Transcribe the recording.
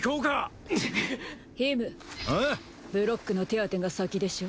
ブロックの手当てが先でしょ？